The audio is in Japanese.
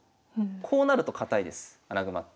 こうなると堅いです穴熊って。